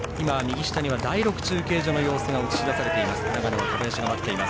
第６中継所の様子が映し出されています。